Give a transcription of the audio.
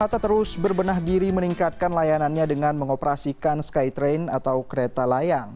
kereta terus berbenah diri meningkatkan layanannya dengan mengoperasikan skytrain atau kereta layang